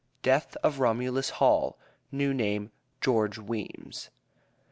DEATH OF ROMULUS HALL NEW NAME GEORGE WEEMS.